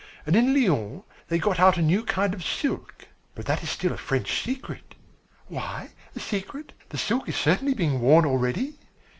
And in Lyons they got out a new kind of silk but that is still a French secret." "Why a secret? The silk is certainly being worn already?"